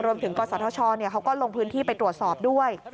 รวมถึงกษัตริย์ท้อช่อเนี่ยเขาก็ลงพื้นที่ไปตรวจสอบด้วย